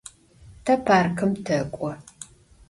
Te parkım tek'o.